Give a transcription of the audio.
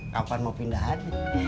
kapan mau pindah an